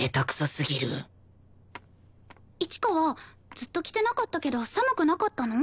ずっと着てなかったけど寒くなかったの？